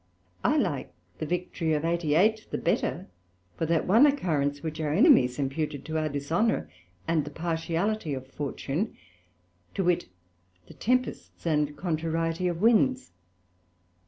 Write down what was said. I like the victory of 88. the better for that one occurrence, which our enemies imputed to our dishonour and the partiality of Fortune, to wit, the tempests and contrariety of Winds.